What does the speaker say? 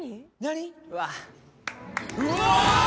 うわ！